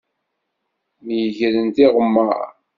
Myegren tiɣemmaṛ.